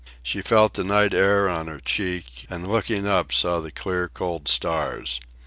She felt the night air on her cheek, and looking up saw the clear, cold stars.